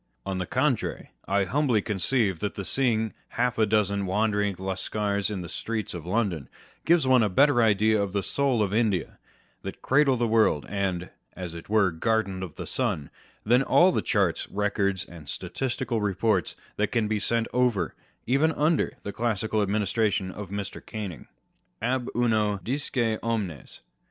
On the contrary, I humbly conceive that the seeing half a dozen wandering Lascars in the streets of London gives one a better idea of the soul of India, that cradle of the world, and (as it were) garden of the sun, than all the charts, records, and statistical reports that can be sent over, even under the classical administration of Mr. Canning. Ab uno disce omnes.